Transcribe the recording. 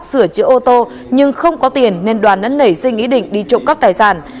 sửa chữa ô tô nhưng không có tiền nên đoàn đã nảy sinh ý định đi trộm cắp tài sản